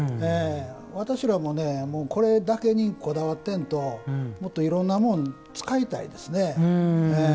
私らも、これだけにこだわってんのともっといろんなもんを使いたいですね。